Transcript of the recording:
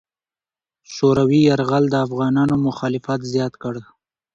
شوروي یرغل د افغانانو مخالفت زیات کړ.